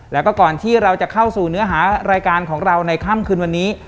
แล้วก็ก่อนที่เราจะเข้าสู่เนื้อหารายการของเราในค่ำคืนวันนี้